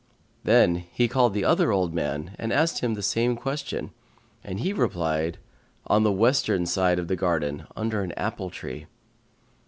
Then he called the other old man and asked him the same question, and he replied, "On the western side of the garden, under an apple tree."